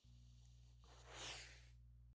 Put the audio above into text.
El campeón de Segunda División fue el Sevilla.